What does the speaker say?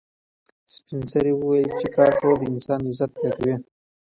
سپین سرې وویل چې کار کول د انسان عزت زیاتوي.